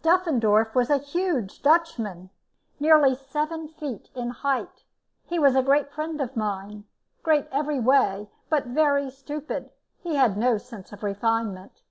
Duffendorf was a huge Dutchman, nearly seven feet in height. He was a great friend of mine, great every way, but very stupid; he had no sense of refinement.